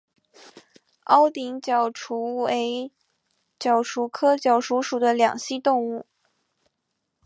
凹顶角蟾为角蟾科角蟾属的两栖动物。